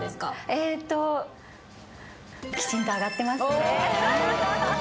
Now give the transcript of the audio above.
えーと、きちんと上がってますね。